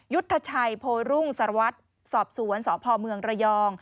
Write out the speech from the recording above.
ยุทธชัยโพรุ่งสารวัตรสอบสวนสพเมืองระยอง